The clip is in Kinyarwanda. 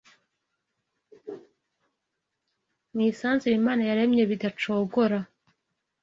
mu isanzure Imana yaremye bidacogora